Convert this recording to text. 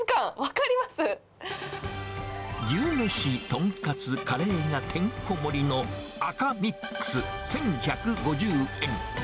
牛めし、豚カツ、カレーがてんこ盛りの赤ミックス１１５０円。